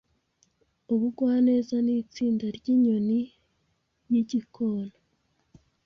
Ubugwaneza nitsinda ryinyoni y'igikona